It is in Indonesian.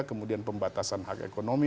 kemudian pembatasan hak ekonomi